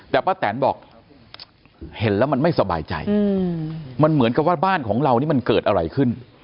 แต่ป้าแตนบอกเห็นแล้วมันไม่สบายใจมันเหมือนกับว่าบ้านของเรานี่มันเกิดอะไรขึ้น